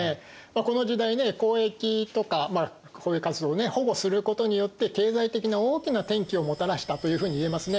この時代ね交易とか交易活動を保護することによって経済的な大きな転機をもたらしたというふうにいえますね。